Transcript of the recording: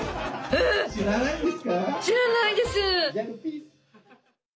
「知らないんですか？」。